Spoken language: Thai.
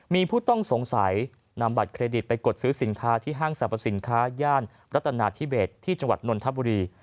มีผู้ต้องสงสัยนำบัตรเครดิตไปกดซื้อสินค้าที่ห้างสรรพสินค้าย่านรัฐนาธิเบสที่จังหวัดนนทบุรี